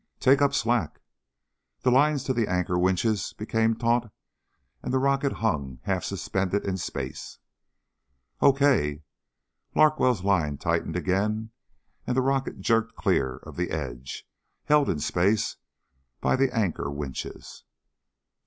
"Take up slack." The lines to the anchor winches became taut and the rocket hung, half suspended in space. "Okay." Larkwell's line tightened again and the rocket jerked clear of the edge, held in space by the anchor winches.